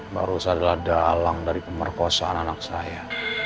mbak rosa adalah dalang dari pemberkosaan anak saya